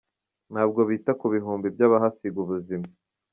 Ntabwo bita ku bihumbi by’abahasiga ubuzima.